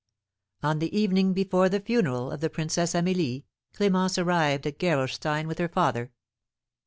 On the evening before the funeral of the Princess Amelie, Clémence arrived at Gerolstein with her father.